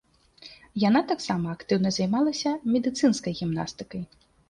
Яна таксама актыўна займалася медыцынскай гімнасткай.